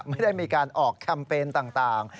ไม่ได้มีการออกแคมเปญต่าง